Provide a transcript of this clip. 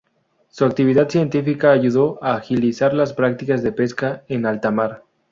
Su actividad científica ayudó a agilizar las prácticas de pesca en alta mar.